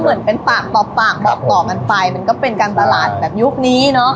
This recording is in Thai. เหมือนเป็นปากต่อปากบอกต่อกันไปมันก็เป็นการตลาดแบบยุคนี้เนอะ